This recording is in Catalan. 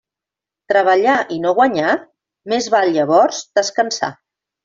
Treballar i no guanyar? Més val, llavors, descansar.